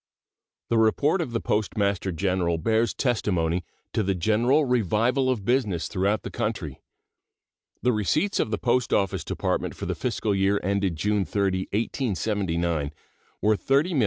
The report of the Postmaster General bears testimony to the general revival of business throughout the country. The receipts of the Post Office Department for the fiscal year ended June 30, 1879, were $30,041,982.